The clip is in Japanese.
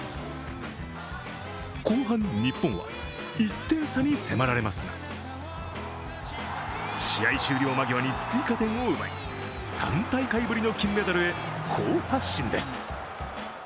後半、日本は１点差に迫られますが試合終了間際に追加点を奪い、３大会ぶりの金メダルへ好発進です。